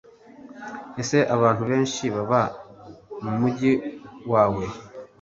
Ese abantu benshi baba mumujyi wawe?